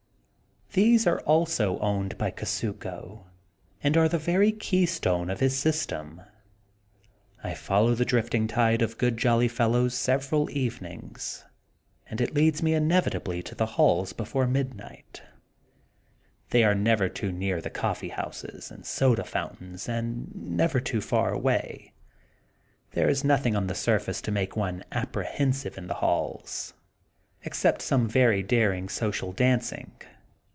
These are also owned by Kusuko and are the very keystone of his system. I follow the drifting tide of jolly good fellows several evenings and it leads me inevitably to the halls before mid night. They are never too near the coffee houses and soda fountains and never too far away. There is nothing on the surface to make one apprehensive in the halls, except some very daring social dancing.